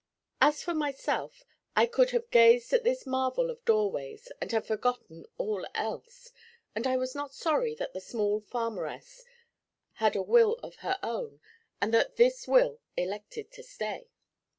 As for myself, I could have gazed at this marvel of doorways and have forgotten all else; and I was not sorry that the small farmeress had a will of her own, and that this will elected to stay.